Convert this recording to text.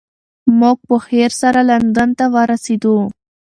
موږ په خیر سره لندن ته ورسیدو.